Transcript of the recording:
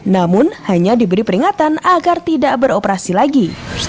namun hanya diberi peringatan agar tidak beroperasi lagi